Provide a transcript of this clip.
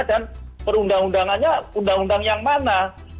dan perundang undangannya undang undang yang mana